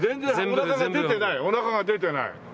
おなかが出てない。